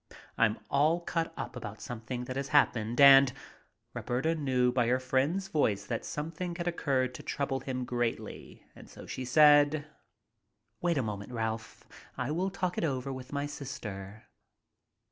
I'm all cut up about something that has happened and " Roberta knew by her friend's voice that something had occurred to trouble him greatly, and so she said: "Wait a moment, Ralph. I will talk it over with my sister."